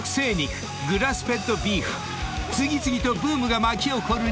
［次々とブームが巻き起こる肉］